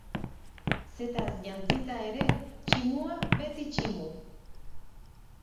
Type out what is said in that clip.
Zetaz jantzita ere, tximua beti tximu.